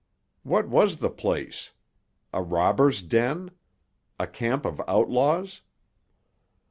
What was the place? A robbers' den? A camp of outlaws?